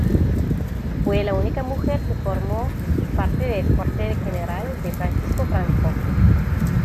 Fue la única mujer que formó parte del cuartel general de Francisco Franco.